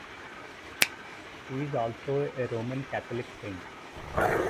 She is also a Roman Catholic saint.